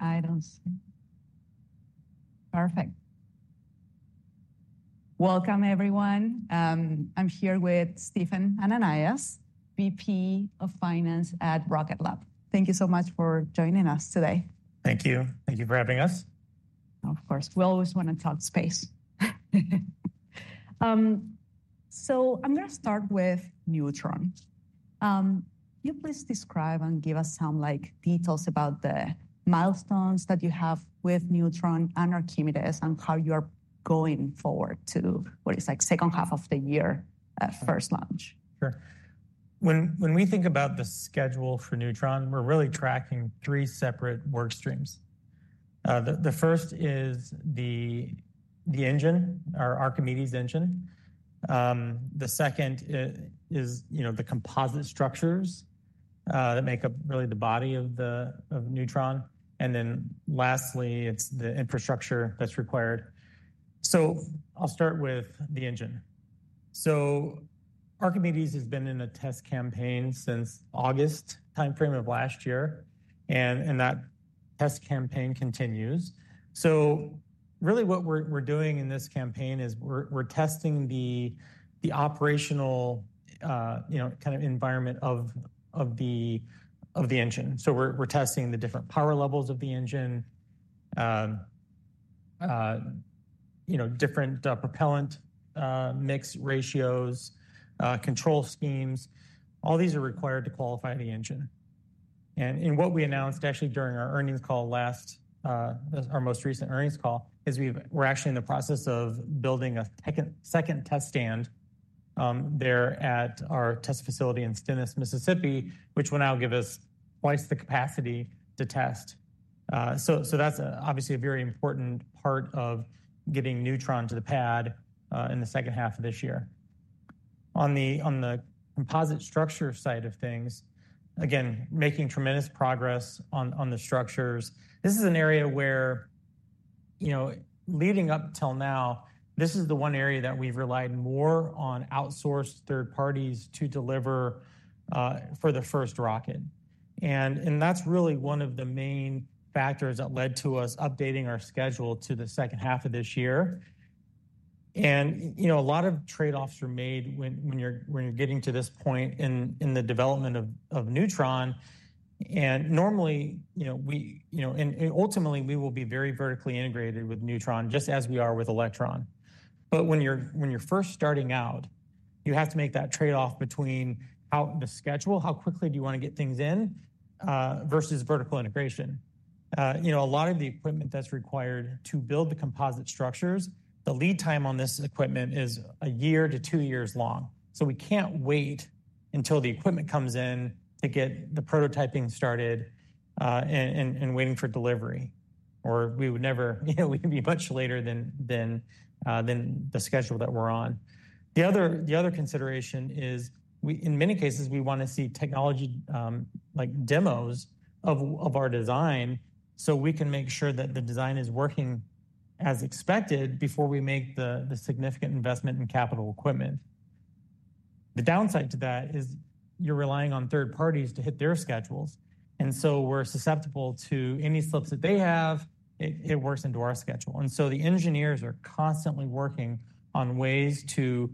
And items. Perfect. Welcome, everyone. I'm here with Stephen Ananias, VP of Finance at Rocket Lab. Thank you so much for joining us today. Thank you. Thank you for having us. Of course. We always want to talk Space. I'm going to start with Neutron. Can you please describe and give us some details about the milestones that you have with Neutron and Archimedes and how you are going forward to what is like the second half of the year, first launch? Sure. When we think about the schedule for Neutron, we're really tracking three separate work streams. The first is the engine, our Archimedes engine. The second is the composite structures that make up really the body of Neutron. Lastly, it's the infrastructure that's required. I'll start with the engine. Archimedes has been in a test campaign since August time frame of last year. That test campaign continues. What we're doing in this campaign is we're testing the operational kind of environment of the engine. We're testing the different power levels of the engine, different propellant mix ratios, control schemes. All these are required to qualify the engine. What we announced actually during our earnings call, our most recent earnings call, is we're actually in the process of building a second test stand there at our test facility in Stennis, Mississippi, which will now give us twice the capacity to test. That is obviously a very important part of getting Neutron to the pad in the second half of this year. On the composite structure side of things, again, making tremendous progress on the structures. This is an area where leading up till now, this is the one area that we've relied more on outsourced third parties to deliver for the first rocket. That is really one of the main factors that led to us updating our schedule to the second half of this year. A lot of trade-offs are made when you're getting to this point in the development of Neutron. Normally, and ultimately, we will be very vertically integrated with Neutron, just as we are with Electron. When you're first starting out, you have to make that trade-off between the schedule, how quickly do you want to get things in, versus vertical integration. A lot of the equipment that's required to build the composite structures, the lead time on this equipment is a year to two years long. We can't wait until the equipment comes in to get the prototyping started and waiting for delivery or we would never be much later than the schedule that we're on. The other consideration is, in many cases, we want to see technology demos of our design so we can make sure that the design is working as expected before we make the significant investment in capital equipment. The downside to that is you're relying on third parties to hit their schedules. You're susceptible to any slips that they have. It works into our schedule. The engineers are constantly working on ways to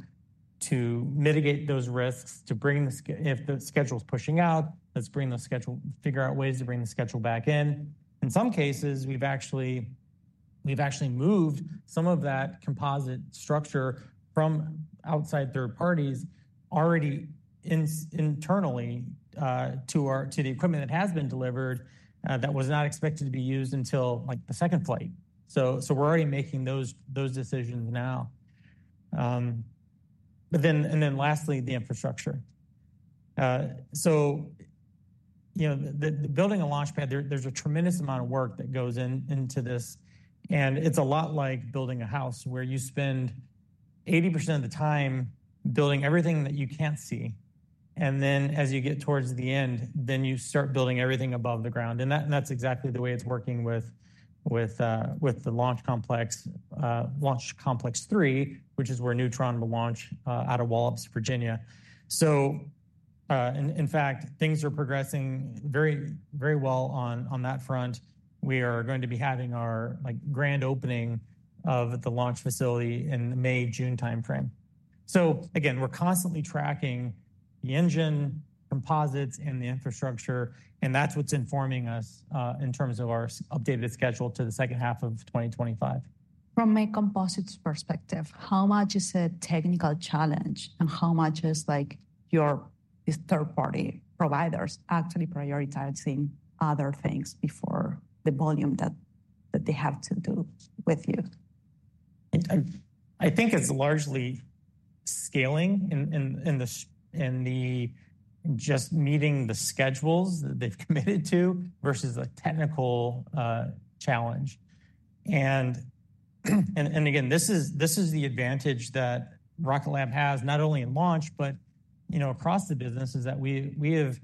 mitigate those risks, to bring the schedule's pushing out, let's bring the schedule, figure out ways to bring the schedule back in. In some cases, we've actually moved some of that composite structure from outside third parties already internally to the equipment that has been delivered that was not expected to be used until the second flight. We're already making those decisions now. Lastly, the infrastructure. Building a launch pad, there's a tremendous amount of work that goes into this. It's a lot like building a house where you spend 80% of the time building everything that you can't see. As you get towards the end, then you start building everything above the ground. That's exactly the way it's working with the launch complex, Launch Complex 3, which is where Neutron will launch out of Wallops, Virginia. In fact, things are progressing very well on that front. We are going to be having our grand opening of the launch facility in the May, June time frame. Again, we're constantly tracking the engine, composites, and the infrastructure. That's what's informing us in terms of our updated schedule to the second half of 2025. From a composites perspective, how much is a technical challenge and how much is your third-party providers actually prioritizing other things before the volume that they have to do with you? I think it's largely scaling and just meeting the schedules that they've committed to versus a technical challenge. This is the advantage that Rocket Lab has not only in launch, but across the business, that we have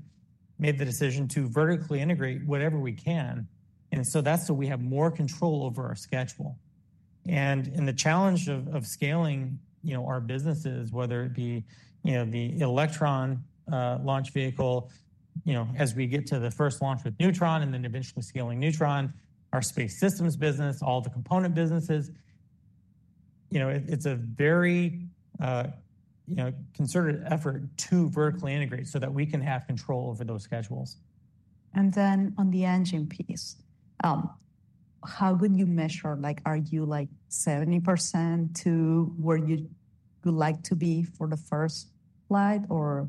made the decision to vertically integrate whatever we can. That is so we have more control over our schedule. In the challenge of scaling our businesses, whether it be the Electron Launch Vehicle as we get to the first launch with Neutron and then eventually scaling Neutron, our Space Systems business, all the Component businesses, it's a very concerted effort to vertically integrate so that we can have control over those schedules. On the engine piece, how would you measure? Are you like 70% to where you would like to be for the first flight or?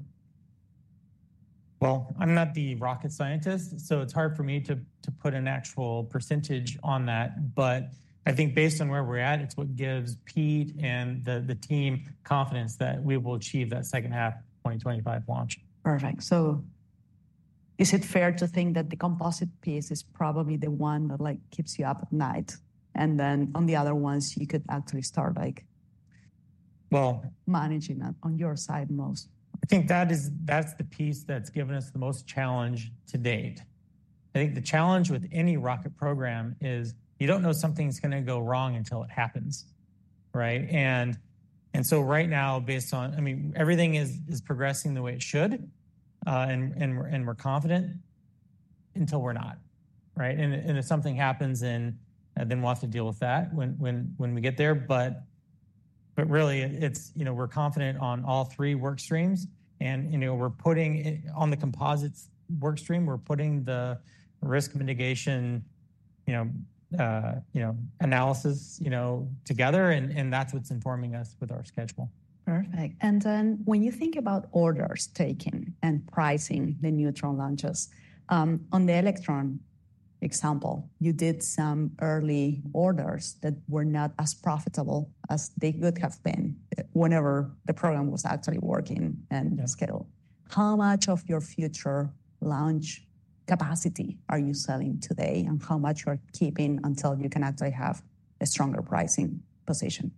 I'm not the rocket scientist, so it's hard for me to put an actual percentage on that. But I think based on where we're at, it's what gives Pete and the team confidence that we will achieve that second half 2025 launch. Perfect. Is it fair to think that the composite piece is probably the one that keeps you up at night? Then on the other ones, you could actually start managing that on your side most? I think that's the piece that's given us the most challenge to date. I think the challenge with any rocket program is you don't know something's going to go wrong until it happens. Right now, based on, I mean, everything is progressing the way it should, and we're confident until we're not. If something happens, then we'll have to deal with that when we get there. Really, we're confident on all three work streams. We're putting on the composites work stream, we're putting the risk mitigation analysis together. That's what's informing us with our schedule. Perfect. When you think about orders taking and pricing the Neutron launches, on the Electron example, you did some early orders that were not as profitable as they could have been whenever the program was actually working and scheduled. How much of your future launch capacity are you selling today and how much are you keeping until you can actually have a stronger pricing position?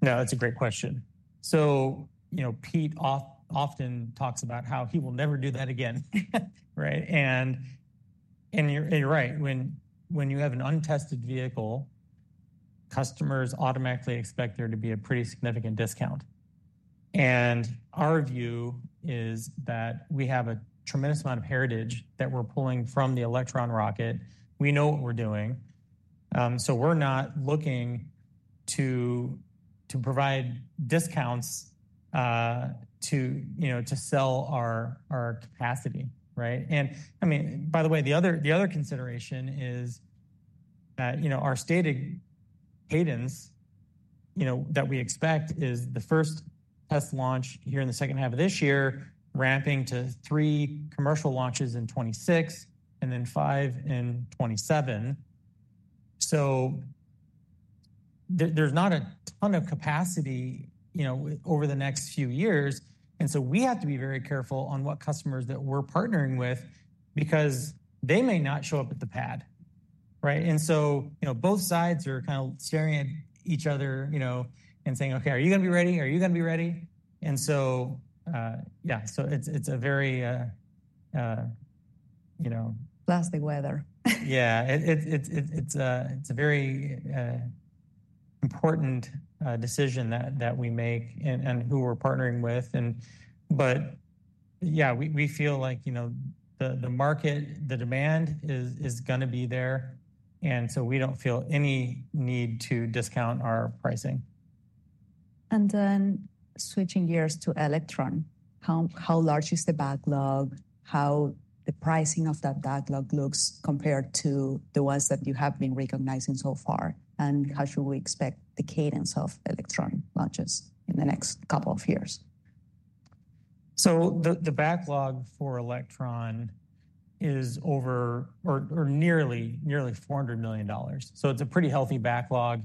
No, that's a great question. Pete often talks about how he will never do that again. You're right. When you have an untested vehicle, customers automatically expect there to be a pretty significant discount. Our view is that we have a tremendous amount of heritage that we're pulling from the Electron rocket. We know what we're doing. We're not looking to provide discounts to sell our capacity. By the way, the other consideration is that our stated cadence that we expect is the first test launch here in the second half of this year, ramping to three commercial launches in 2026 and then five in 2027. There's not a ton of capacity over the next few years. We have to be very careful on what customers that we're partnering with because they may not show up at the pad. Both sides are kind of staring at each other and saying, "Okay, are you going to be ready? Are you going to be ready?" Yeah, it's a very. Bless the weather. Yeah. It's a very important decision that we make and who we're partnering with. Yeah, we feel like the market, the demand is going to be there. We don't feel any need to discount our pricing. Switching gears to Electron, how large is the backlog? How does the pricing of that backlog look compared to the ones that you have been recognizing so far? How should we expect the cadence of Electron launches in the next couple of years? The backlog for Electron is over or nearly $400 million. It is a pretty healthy backlog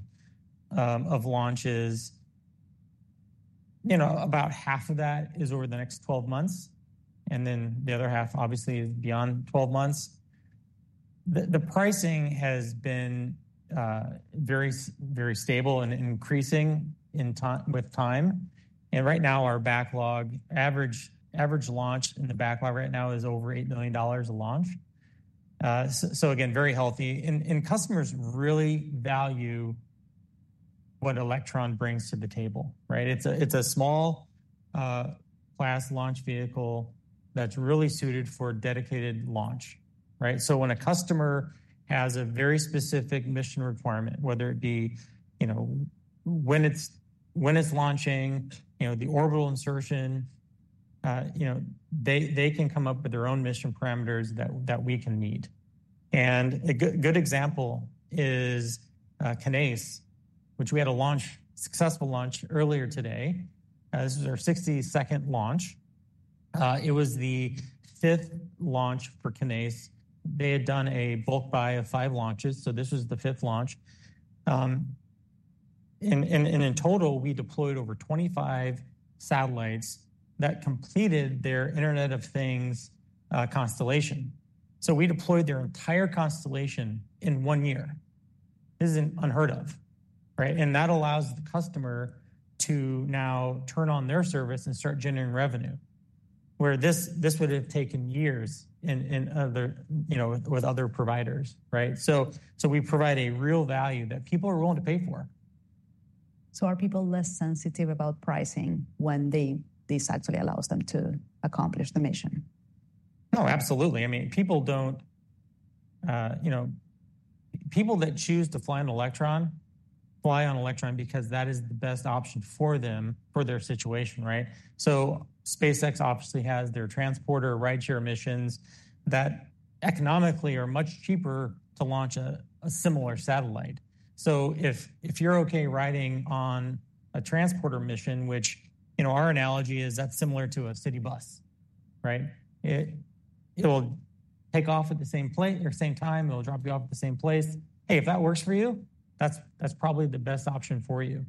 of launches. About half of that is over the next 12 months. The other half, obviously, is beyond 12 months. The pricing has been very stable and increasing with time. Right now, our backlog average launch in the backlog right now is over $8 million a launch. Again, very healthy. Customers really value what Electron brings to the table. It is a small class launch vehicle that is really suited for dedicated launch. When a customer has a very specific mission requirement, whether it be when it is launching, the orbital insertion, they can come up with their own mission parameters that we can meet. A good example is Kinéis, which we had a successful launch earlier today. This was our 62nd launch. It was the fifth launch for Kinéis. They had done a bulk buy of five launches. This was the fifth launch. In total, we deployed over 25 satellites that completed their Internet of Things constellation. We deployed their entire constellation in one year. This isn't unheard of. That allows the customer to now turn on their service and start generating revenue, where this would have taken years with other providers. We provide a real value that people are willing to pay for. Are people less sensitive about pricing when this actually allows them to accomplish the mission? Oh, absolutely. I mean, people that choose to fly on Electron fly on Electron because that is the best option for them for their situation. SpaceX obviously has their transporter rideshare missions that economically are much cheaper to launch a similar satellite. If you're okay riding on a transporter mission, which our analogy is that's similar to a city bus, it will take off at the same place, same time. It'll drop you off at the same place. Hey, if that works for you, that's probably the best option for you.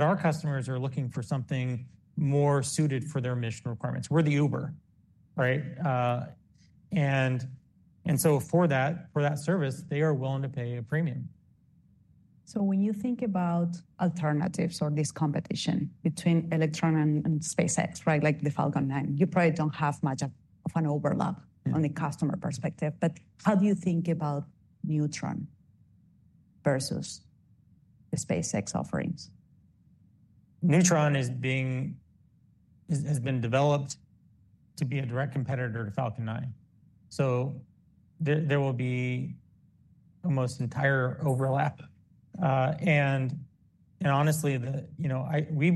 Our customers are looking for something more suited for their mission requirements. We're the Uber. For that service, they are willing to pay a premium. When you think about alternatives or this competition between Electron and SpaceX, like the Falcon 9, you probably don't have much of an overlap on the customer perspective. How do you think about Neutron versus the SpaceX offerings? Neutron has been developed to be a direct competitor to Falcon 9. There will be almost entire overlap. I mean,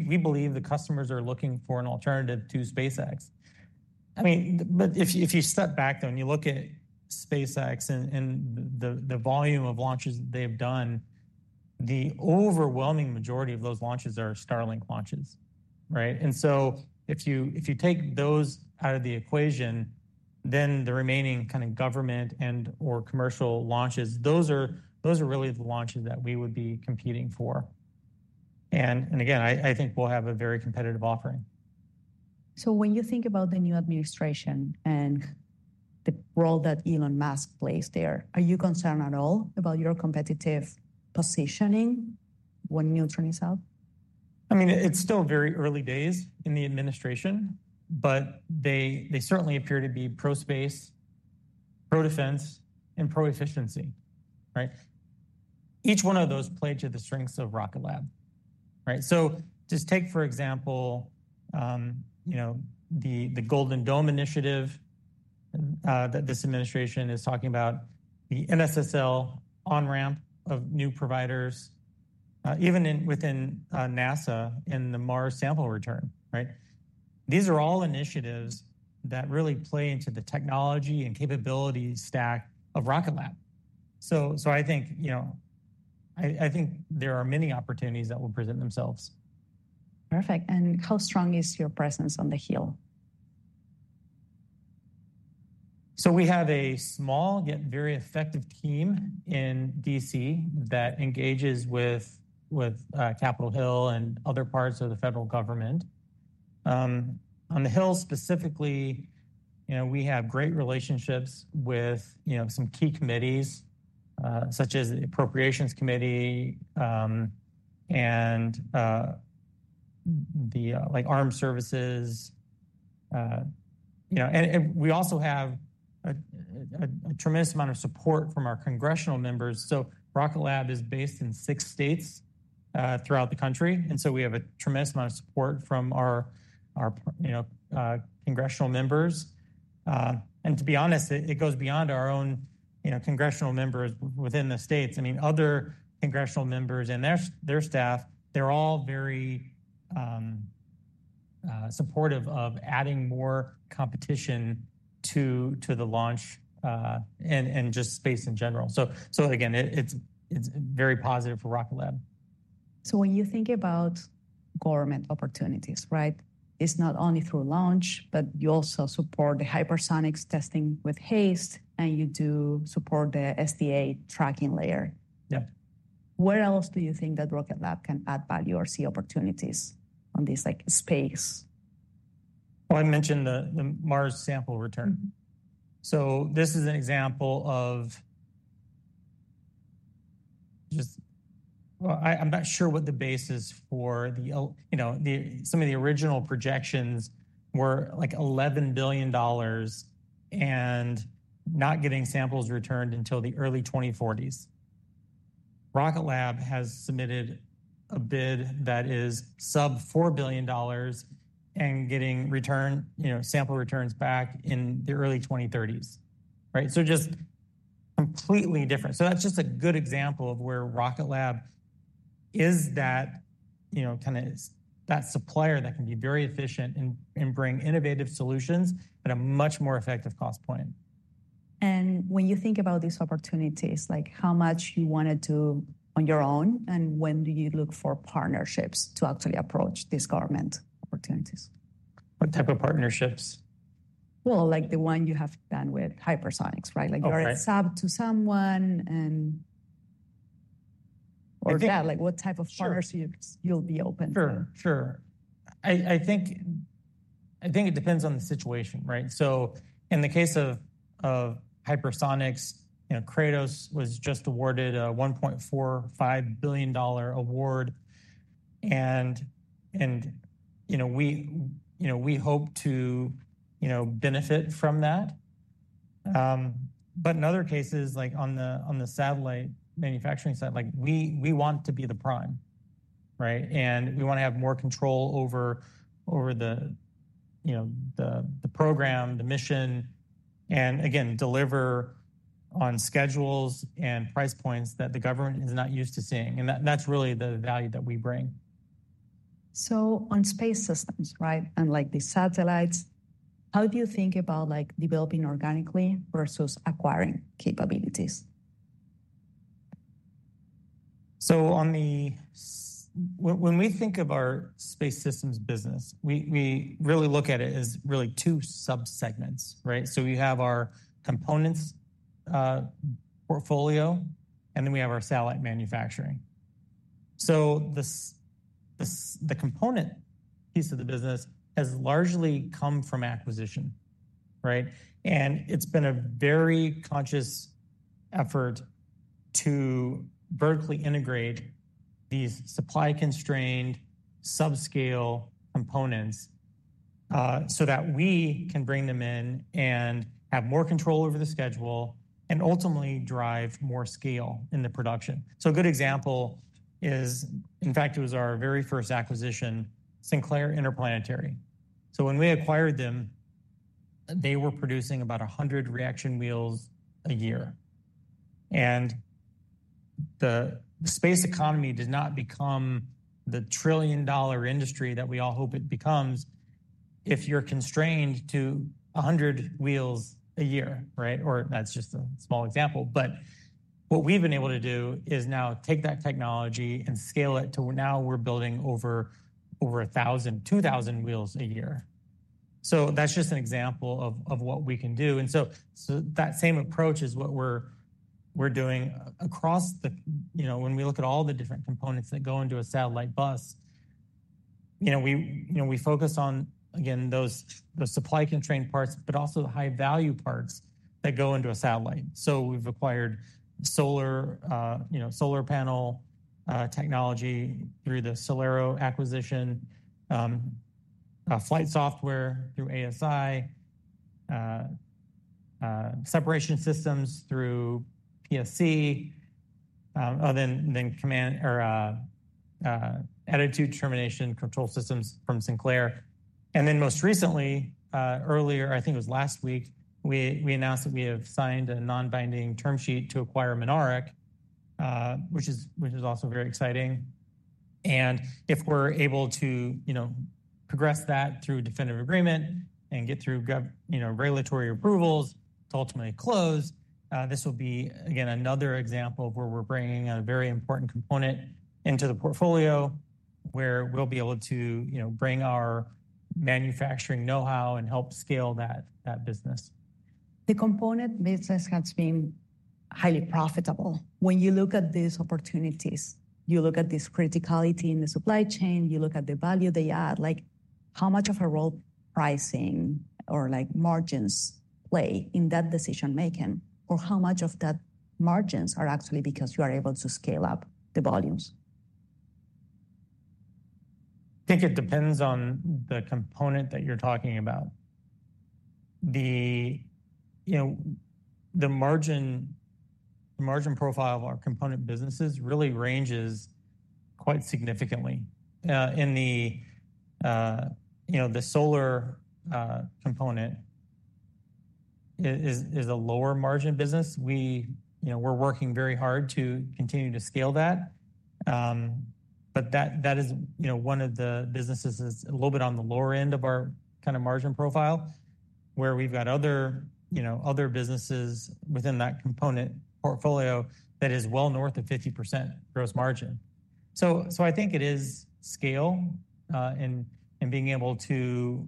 we believe the customers are looking for an alternative to SpaceX. If you step back and you look at SpaceX and the volume of launches they've done, the overwhelming majority of those launches are Starlink launches. If you take those out of the equation, the remaining kind of government and/or commercial launches, those are really the launches that we would be competing for. I think we'll have a very competitive offering. When you think about the new administration and the role that Elon Musk plays there, are you concerned at all about your competitive positioning when Neutron is out? I mean, it's still very early days in the administration, but they certainly appear to be pro-space, pro-defense, and pro-efficiency. Each one of those plays to the strengths of Rocket Lab. Just take, for example, the Golden Dome initiative that this administration is talking about, the NSSL on-ramp of new providers, even within NASA in the Mars Sample Return. These are all initiatives that really play into the technology and capability stack of Rocket Lab. I think there are many opportunities that will present themselves. Perfect. How strong is your presence on the Hill? We have a small, yet very effective team in DC that engages with Capitol Hill and other parts of the federal government. On the Hill, specifically, we have great relationships with some key committees, such as the Appropriations Committee and the Armed Services. We also have a tremendous amount of support from our congressional members. Rocket Lab is based in six states throughout the country. We have a tremendous amount of support from our Congressional members. To be honest, it goes beyond our own Congressional members within the states. I mean, other Congressional members and their staff, they're all very supportive of adding more competition to the launch and just space in general. Again, it's very positive for Rocket Lab. When you think about government opportunities, it's not only through launch, but you also support the hypersonics testing with HASTE, and you do support the SDA Tracking layer. Where else do you think that Rocket Lab can add value or see opportunities on this space? I mentioned the Mars Sample Return. This is an example of just I'm not sure what the base is for. Some of the original projections were like $11 billion and not getting samples returned until the early 2040s. Rocket Lab has submitted a bid that is sub $4 billion and getting sample returns back in the early 2030s. Just completely different. That is a good example of where Rocket Lab is that kind of supplier that can be very efficient and bring innovative solutions at a much more effective cost point. When you think about these opportunities, how much you wanted to on your own, and when do you look for partnerships to actually approach these government opportunities? What type of partnerships? Like the one you have done with hypersonics, right? You're a sub to someone, and yeah, what type of partnerships you'll be open to? Sure. Sure. I think it depends on the situation. In the case of hypersonics, Kratos was just awarded a $1.45 billion award. We hope to benefit from that. In other cases, like on the satellite manufacturing side, we want to be the prime. We want to have more control over the program, the mission, and again, deliver on schedules and price points that the government is not used to seeing. That's really the value that we bring. On space systems, right, and the satellites, how do you think about developing organically versus acquiring capabilities? When we think of our Space Systems business, we really look at it as really two subsegments. We have our components portfolio, and then we have our satellite manufacturing. The component piece of the business has largely come from acquisition. It's been a very conscious effort to vertically integrate these supply-constrained subscale components so that we can bring them in and have more control over the schedule and ultimately drive more scale in the production. A good example is, in fact, it was our very first acquisition, Sinclair Interplanetary. When we acquired them, they were producing about 100 reaction wheels a year. The space economy did not become the trillion-dollar industry that we all hope it becomes if you're constrained to 100 wheels a year. That's just a small example. What we've been able to do is now take that technology and scale it to now we're building over 1,000, 2,000 wheels a year. That's just an example of what we can do. That same approach is what we're doing across the when we look at all the different components that go into a satellite bus, we focus on, again, those supply-constrained parts, but also the high-value parts that go into a satellite. We've acquired solar panel technology through the SolAero acquisition, flight software through ASI, separation systems through PSC, then attitude termination control systems from Sinclair. Most recently, earlier, I think it was last week, we announced that we have signed a non-binding term sheet to acquire Mynaric, which is also very exciting. If we're able to progress that through a definitive agreement and get through regulatory approvals to ultimately close, this will be, again, another example of where we're bringing a very important component into the portfolio where we'll be able to bring our manufacturing know-how and help scale that business. The component business has been highly profitable. When you look at these opportunities, you look at this criticality in the supply chain, you look at the value they add, how much of a role pricing or margins play in that decision-making, or how much of that margins are actually because you are able to scale up the volumes? I think it depends on the component that you're talking about. The margin profile of our component businesses really ranges quite significantly. In the solar component, it is a lower margin business. We're working very hard to continue to scale that. That is one of the businesses that's a little bit on the lower end of our kind of margin profile, where we've got other businesses within that component portfolio that is well north of 50% gross margin. I think it is scale and being able to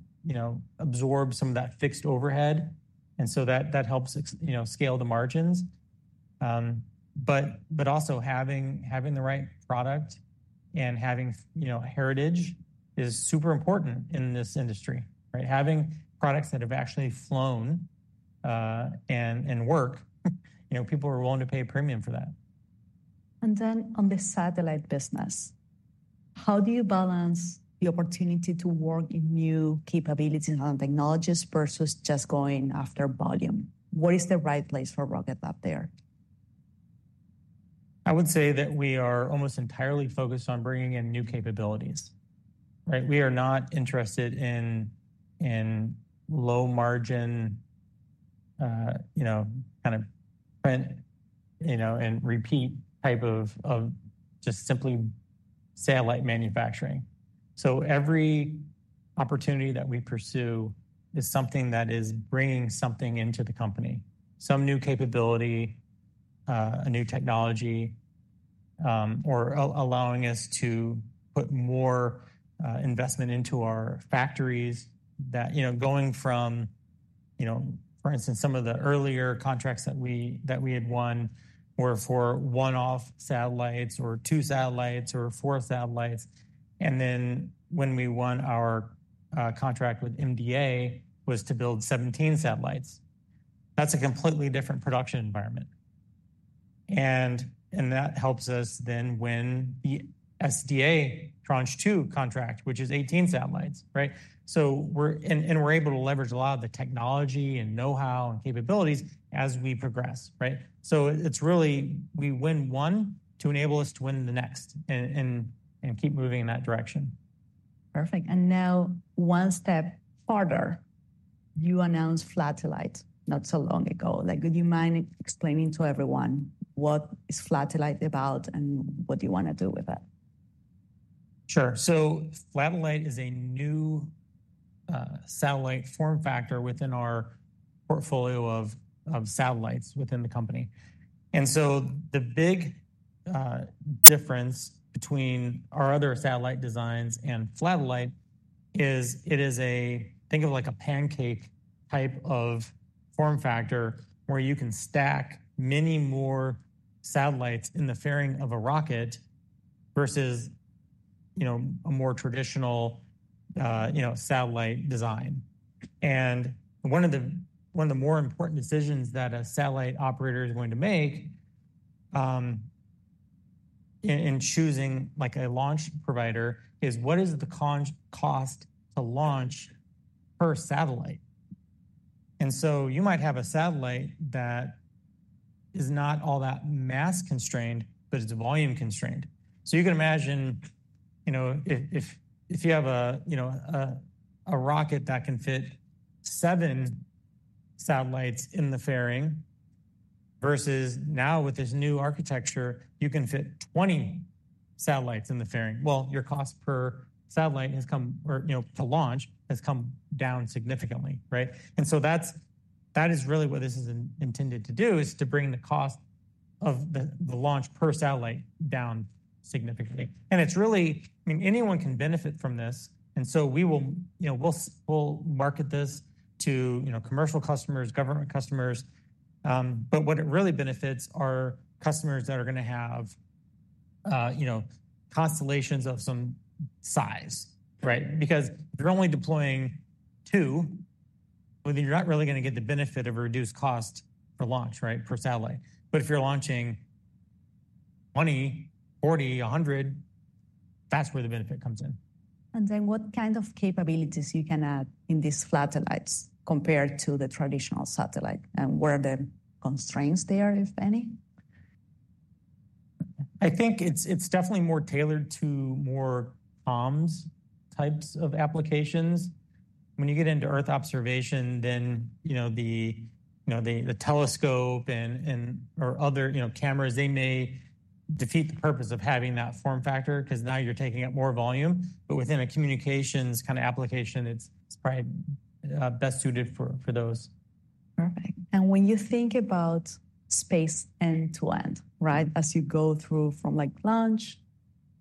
absorb some of that fixed overhead. That helps scale the margins. Also, having the right product and having heritage is super important in this industry. Having products that have actually flown and work, people are willing to pay a premium for that. On the Satellite business, how do you balance the opportunity to work in new capabilities and technologies versus just going after volume? What is the right place for Rocket Lab there? I would say that we are almost entirely focused on bringing in new capabilities. We are not interested in low-margin kind of print and repeat type of just simply satellite manufacturing. Every opportunity that we pursue is something that is bringing something into the company, some new capability, a new technology, or allowing us to put more investment into our factories. Going from, for instance, some of the earlier contracts that we had won were for one-off satellites or two satellites or four satellites. When we won our contract with MDA, it was to build 17 satellites. That is a completely different production environment. That helps us then win the SDA Tranche 2 contract, which is 18 satellites. We are able to leverage a lot of the technology and know-how and capabilities as we progress. It's really we win one to enable us to win the next and keep moving in that direction. Perfect. One step further, you announced Flatellite not so long ago. Would you mind explaining to everyone what is Flatellite about and what do you want to do with it? Sure. Flatellite is a new satellite form factor within our portfolio of satellites within the company. The big difference between our other satellite designs and Flatellite is it is a, think of like a pancake type of form factor where you can stack many more satellites in the fairing of a rocket versus a more traditional satellite design. One of the more important decisions that a satellite operator is going to make in choosing a launch provider is what is the cost to launch per satellite. You might have a satellite that is not all that mass constrained, but it is volume constrained. You can imagine if you have a rocket that can fit seven satellites in the fairing versus now with this new architecture, you can fit 20 satellites in the fairing. Your cost per satellite to launch has come down significantly. That is really what this is intended to do, to bring the cost of the launch per satellite down significantly. I mean, anyone can benefit from this. We will market this to commercial customers, government customers. What it really benefits are customers that are going to have constellations of some size. If you are only deploying two, you are not really going to get the benefit of a reduced cost for launch per satellite. If you are launching 20, 40, 100, that is where the benefit comes in. What kind of capabilities can you add in these satellites compared to the traditional satellite? What are the constraints there, if any? I think it's definitely more tailored to more comms types of applications. When you get into Earth observation, then the telescope or other cameras, they may defeat the purpose of having that form factor because now you're taking up more volume. Within a communications kind of application, it's probably best suited for those. Perfect. When you think about space end-to-end, as you go through from launch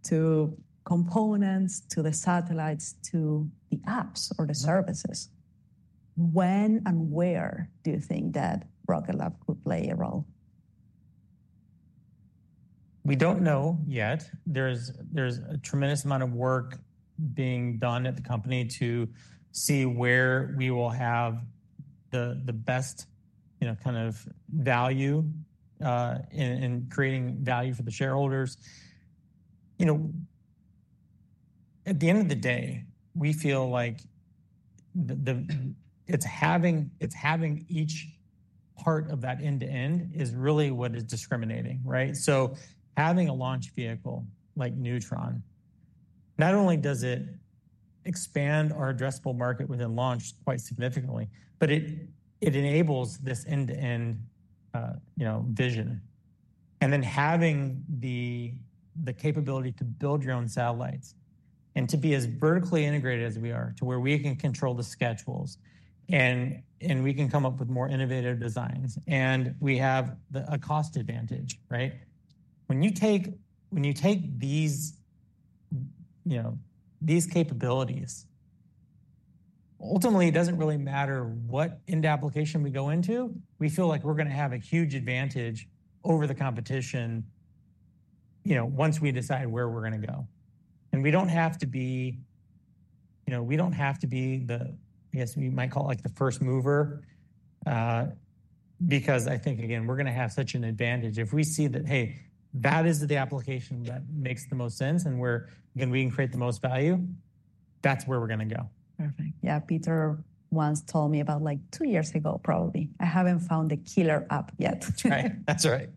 to components to the satellites to the apps or the services, when and where do you think that Rocket Lab could play a role? We don't know yet. There's a tremendous amount of work being done at the company to see where we will have the best kind of value in creating value for the shareholders. At the end of the day, we feel like it's having each part of that end-to-end is really what is discriminating. Having a launch vehicle like Neutron, not only does it expand our addressable market within launch quite significantly, but it enables this end-to-end vision. Having the capability to build your own satellites and to be as vertically integrated as we are to where we can control the schedules and we can come up with more innovative designs. We have a cost advantage. When you take these capabilities, ultimately, it doesn't really matter what end application we go into. We feel like we're going to have a huge advantage over the competition once we decide where we're going to go. We don't have to be, I guess we might call it, the first mover because I think, again, we're going to have such an advantage. If we see that, hey, that is the application that makes the most sense and where we can create the most value, that's where we're going to go. Perfect. Yeah, Peter once told me about like two years ago, probably. I haven't found the killer app yet. Right. That's right.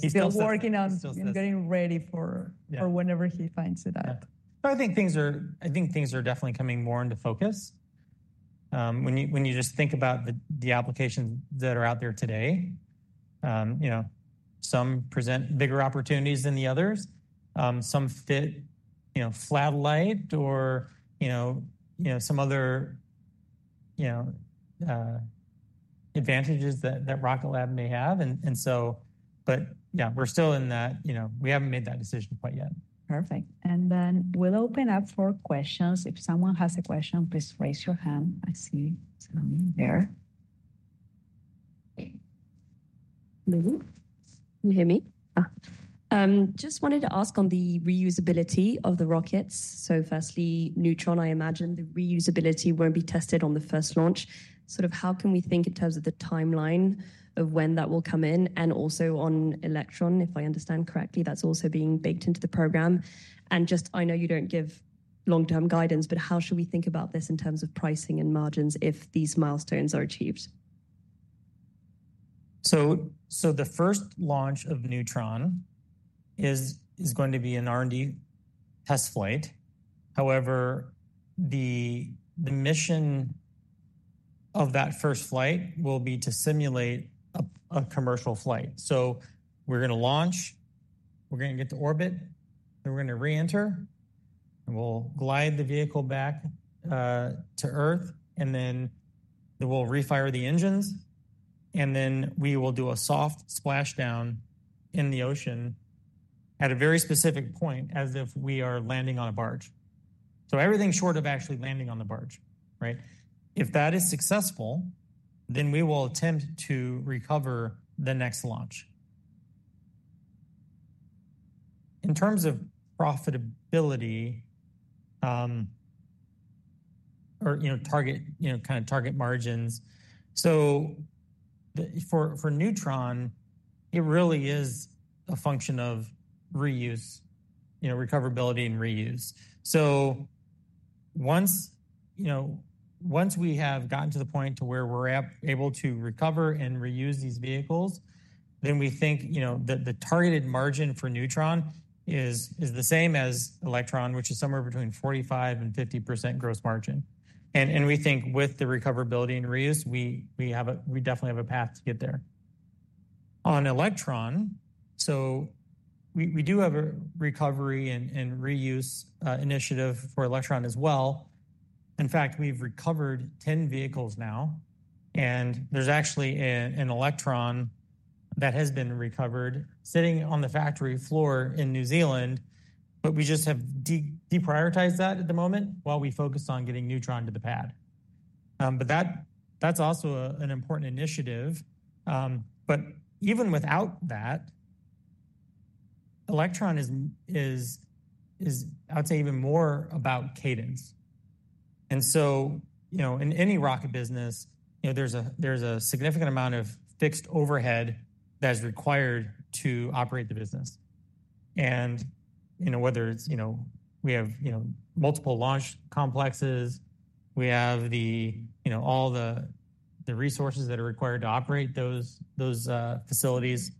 He's still working on getting ready for whenever he finds it out. I think things are definitely coming more into focus. When you just think about the applications that are out there today, some present bigger opportunities than the others. Some fit Flatellite or some other advantages that Rocket Lab may have. Yeah, we're still in that we haven't made that decision quite yet. Perfect. Then we'll open up for questions. If someone has a question, please raise your hand. I see some there. Can you hear me? Just wanted to ask on the reusability of the rockets. Firstly, Neutron, I imagine the reusability will not be tested on the first launch. How can we think in terms of the timeline of when that will come in? Also, on Electron, if I understand correctly, that is also being baked into the program. I know you do not give long-term guidance, but how should we think about this in terms of pricing and margins if these milestones are achieved? The first launch of Neutron is going to be an R&D test flight. However, the mission of that first flight will be to simulate a commercial flight. We're going to launch, we're going to get to orbit, then we're going to reenter, and we'll glide the vehicle back to Earth, and then we'll refire the engines, and then we will do a soft splashdown in the ocean at a very specific point as if we are landing on a barge. Everything short of actually landing on the barge. If that is successful, we will attempt to recover the next launch. In terms of profitability or kind of target margins, for Neutron, it really is a function of reuse, recoverability, and reuse. Once we have gotten to the point where we're able to recover and reuse these vehicles, we think that the targeted margin for Neutron is the same as Electron, which is somewhere between 45%-50% gross margin. We think with the recoverability and reuse, we definitely have a path to get there. On Electron, we do have a recovery and reuse initiative for Electron as well. In fact, we've recovered 10 vehicles now. There's actually an Electron that has been recovered sitting on the factory floor in New Zealand, but we have deprioritized that at the moment while we focus on getting Neutron to the pad. That's also an important initiative. Even without that, Electron is, I'd say, even more about cadence. In any rocket business, there is a significant amount of fixed overhead that is required to operate the business. Whether it is we have multiple launch complexes, we have all the resources that are required to operate those facilities.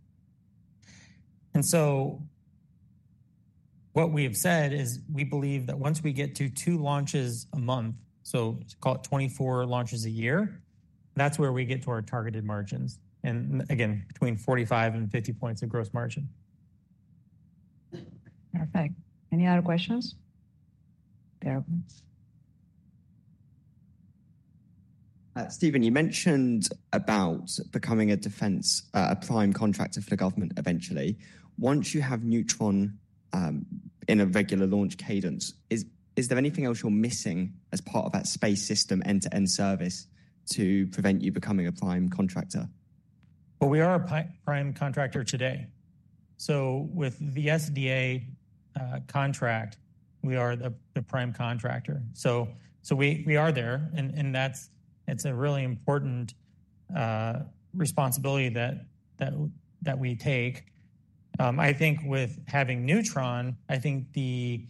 What we have said is we believe that once we get to two launches a month, so call it 24 launches a year, that is where we get to our targeted margins. Again, between 45% and 50% of gross margin. Perfect. Any other questions? Stephen, you mentioned about becoming a defense prime contractor for the government eventually. Once you have Neutron in a regular launch cadence, is there anything else you're missing as part of that space system end-to-end service to prevent you becoming a prime contractor? We are a prime contractor today. With the SDA contract, we are the prime contractor. We are there, and that's a really important responsibility that we take. I think with having Neutron, I think the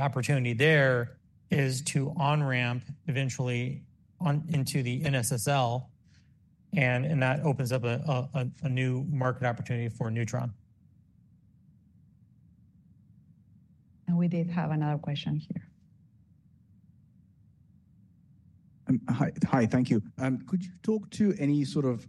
opportunity there is to on-ramp eventually into the NSSL. That opens up a new market opportunity for Neutron. We did have another question here. Hi, thank you. Could you talk to any sort of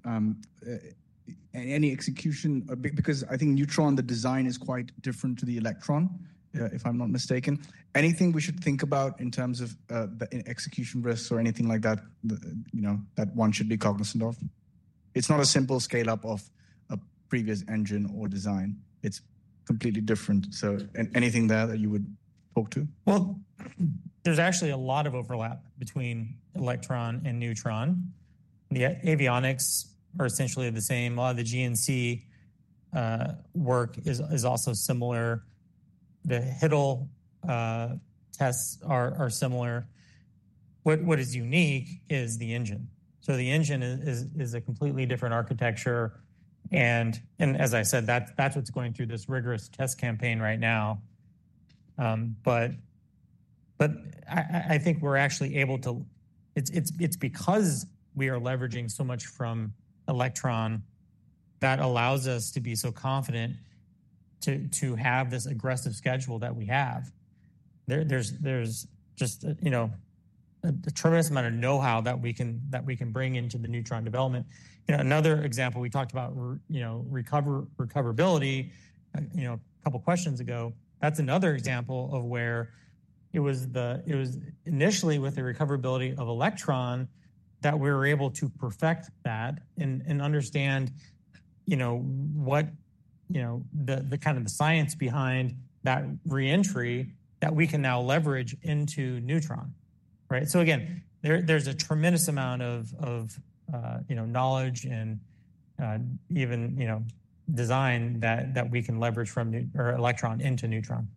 execution because I think Neutron, the design is quite different to the Electron, if I'm not mistaken. Anything we should think about in terms of the execution risks or anything like that that one should be cognizant of? It's not a simple scale-up of a previous engine or design. It's completely different. Anything there that you would talk to? There's actually a lot of overlap between Electron and Neutron. The avionics are essentially the same. A lot of the GNC work is also similar. The HASTE tests are similar. What is unique is the engine. The engine is a completely different architecture. As I said, that's what's going through this rigorous test campaign right now. I think we're actually able to, it's because we are leveraging so much from Electron that allows us to be so confident to have this aggressive schedule that we have. There's just a tremendous amount of know-how that we can bring into the Neutron development. Another example, we talked about recoverability a couple of questions ago. That's another example of where it was initially with the recoverability of Electron that we were able to perfect that and understand what the kind of the science behind that reentry that we can now leverage into Neutron. There is a tremendous amount of knowledge and even design that we can leverage from Electron into Neutron.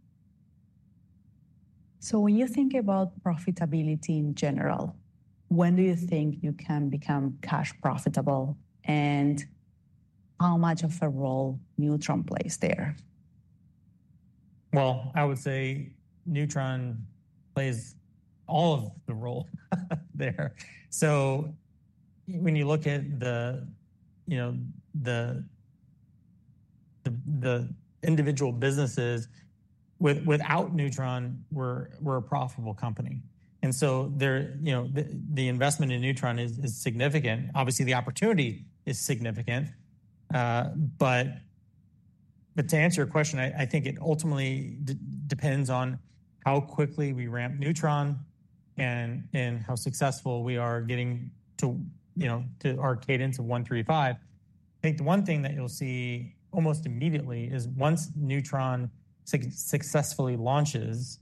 When you think about profitability in general, when do you think you can become cash profitable and how much of a role Neutron plays there? I would say Neutron plays all of the role there. So when you look at the individual businesses, without Neutron, we're a profitable company. The investment in Neutron is significant. Obviously, the opportunity is significant. To answer your question, I think it ultimately depends on how quickly we ramp Neutron and how successful we are getting to our cadence of 1, 3, 5. I think the one thing that you'll see almost immediately is once Neutron successfully launches,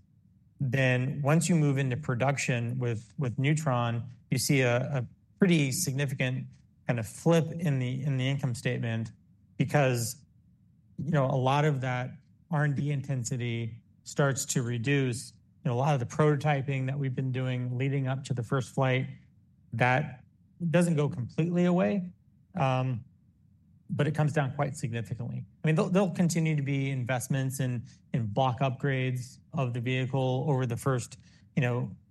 then once you move into production with Neutron, you see a pretty significant kind of flip in the income statement because a lot of that R&D intensity starts to reduce. A lot of the prototyping that we've been doing leading up to the first flight, that doesn't go completely away, but it comes down quite significantly. I mean, there'll continue to be investments in block upgrades of the vehicle over the first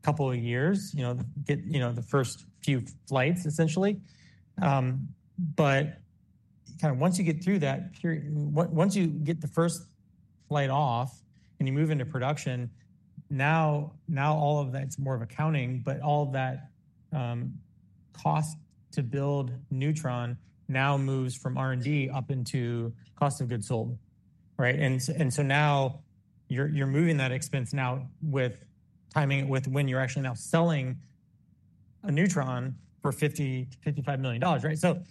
couple of years, the first few flights, essentially. But kind of once you get through that, once you get the first flight off and you move into production, now all of that's more of accounting, but all of that cost to build Neutron now moves from R&D up into cost of goods sold. Now you're moving that expense now with timing it with when you're actually now selling a Neutron for $50 million-$55 million.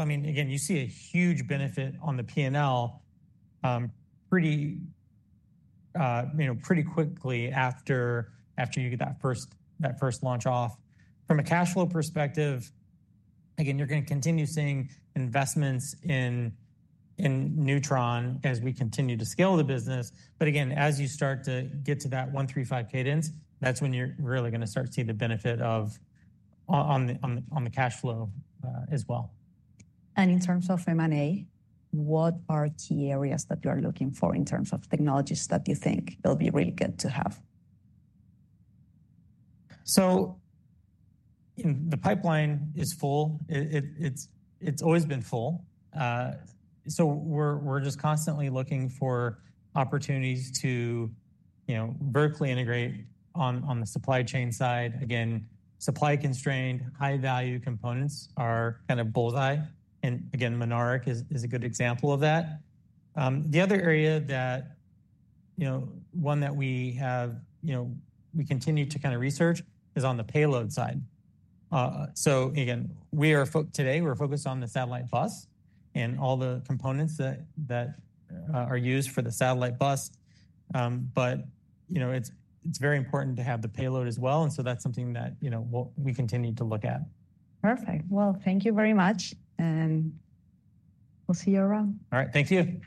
I mean, again, you see a huge benefit on the P&L pretty quickly after you get that first launch off. From a cash flow perspective, again, you're going to continue seeing investments in Neutron as we continue to scale the business. As you start to get to that 1, 3, 5 cadence, that's when you're really going to start seeing the benefit on the cash flow as well. In terms of M&A, what are key areas that you are looking for in terms of technologies that you think will be really good to have? The pipeline is full. It's always been full. We're just constantly looking for opportunities to vertically integrate on the supply chain side. Again, supply-constrained, high-value components are kind of bullseye. Mynaric is a good example of that. The other area that we continue to kind of research is on the payload side. Today, we're focused on the satellite bus and all the components that are used for the satellite bus. It's very important to have the payload as well. That's something that we continue to look at. Perfect. Thank you very much. We'll see you around. All right. Thank you.